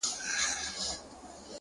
او دا کشره چي د کلي د مُلا ده;